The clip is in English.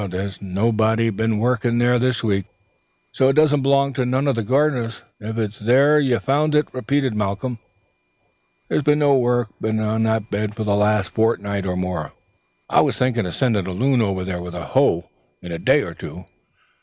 "There's been naebody been workin' there this week. So it disna belong tae neen o' the gair'ners, if it's there ye fund't," repeated Malcolm. "There's been nae work deen on that bed for the last fortnicht or mair. I was thinkin' o' sendin' a loon ower't wie a hoe in a day or twa.